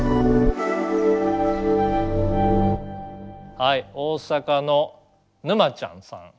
はい大阪のぬまちゃんさん。